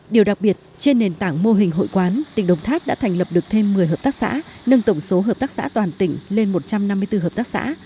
điều đặc biệt trên nền tảng mô hình hội quán tỉnh đồng tháp đã thành lập được thêm một mươi hợp tác xã nâng tổng số hợp tác xã toàn tỉnh lên một trăm năm mươi bốn hợp tác xã